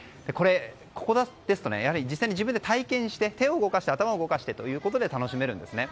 ここですとやはり自分で体験して手を動かして頭を動かしてということで楽しめるんですね。